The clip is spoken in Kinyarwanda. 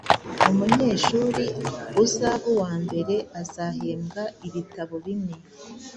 Umunyeshuri uzaba uwa mbere azahembwa ibitabo bine.